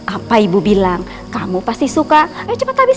apa ibu bilang kamu pasti suka haris